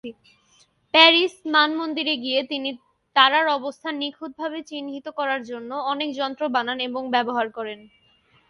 Paris মানমন্দিরে গিয়ে তিনি তারার অবস্থান নিখুঁতভাবে চিহ্নিত করার জন্য অনেক যন্ত্র বানান এবং ব্যবহার করেন।